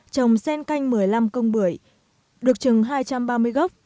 trồng sen canh một mươi năm công bưởi được trừng hai trăm ba mươi gốc